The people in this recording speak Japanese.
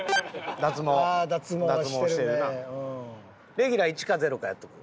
レギュラー１か０かやっとく？